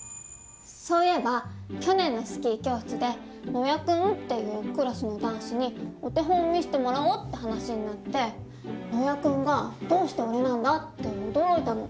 そういえば去年のスキー教室で野矢君っていうクラスの男子にお手本を見せてもらおうって話になって野矢君が「どうして俺なんだ？」って驚いたの。